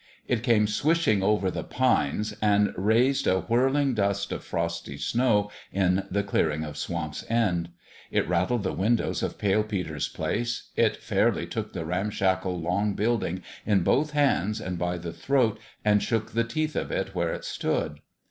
It came swishing over the pines and raised a whirling dust of frosty snow in the clearing of Swamp's End. It rattled the win dows of Pale Peter's place ; it fairly took the ramshackle long building in both hands and by the throat and shook the teeth of it where it stood.